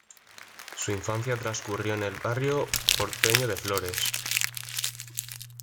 Su infancia transcurrió en el barrio porteño de Flores.